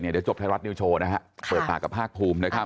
เดี๋ยวจบไทยรัฐนิวโชว์นะฮะเปิดปากกับภาคภูมินะครับ